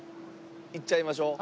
行っちゃいましょう。